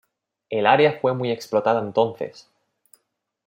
El área fue muy explotada entonces.